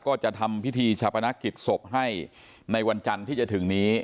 ก็จะทำพิธีชาปนกิจศพให้ในวันจันทร์ที่จะถึงนี้